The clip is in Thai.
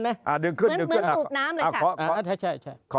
เหมือนดูบน้ำสินะครับ